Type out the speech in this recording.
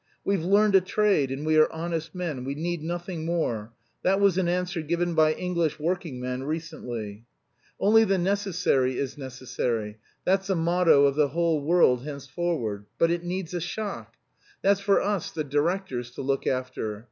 'We've learned a trade, and we are honest men; we need nothing more,' that was an answer given by English working men recently. Only the necessary is necessary, that's the motto of the whole world henceforward. But it needs a shock. That's for us, the directors, to look after.